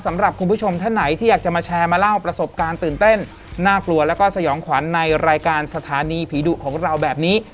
สำหรับคุณผู้ชมท่านไหนที่อยากจะมาแชร์มาเล่าประสบการณ์ตื่นเต้นน่ากลัวแล้วก็สยองขวัญในรายการสถานีผีดุของเราแบบนี้